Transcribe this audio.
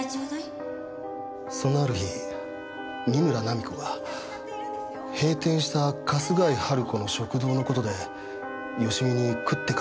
そんなある日三村菜実子が閉店した春日井春子の食堂の事で芳美に食ってかかったんです。